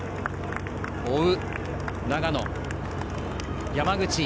追う長野の山口。